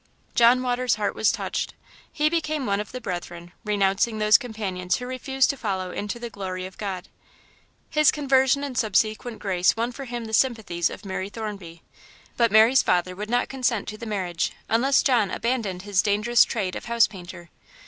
John Waters' heart was touched. He became one of the Brethren, renouncing those companions who refused to follow into the glory of God. His conversion and subsequent grace won for him the sympathies of Mary Thornby. But Mary's father would not consent to the marriage unless John abandoned his dangerous trade of house painter.